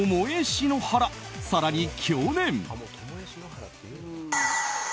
更に去年。